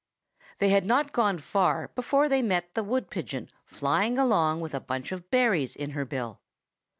They had not gone far before they met the wood pigeon flying along with a bunch of berries in her bill.